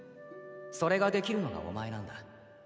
それができるのがお前なんだ。